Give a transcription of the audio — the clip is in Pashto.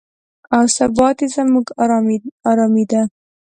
او ثبات یې زموږ ارامي ده.